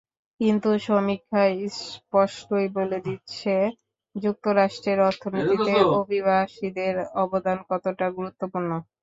কিন্তু সমীক্ষা স্পষ্টই বলে দিচ্ছে, যুক্তরাষ্ট্রের অর্থনীতিতে অভিবাসীদের অবদান কতটা গুরুত্বপূর্ণ।